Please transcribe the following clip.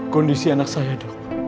kondisi anak saya dok